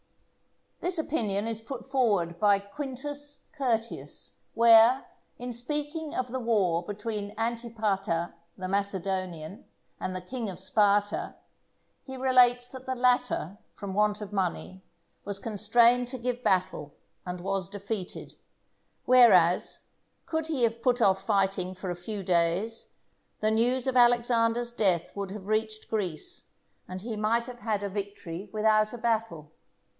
This opinion is put forward by Quintus Curtius, where, in speaking of the war between Antipater the Macedonian and the King of Sparta, he relates that the latter, from want of money, was constrained to give battle and was defeated; whereas, could he have put off fighting for a few days the news of Alexander's death would have reached Greece, and he might have had a victory without a battle.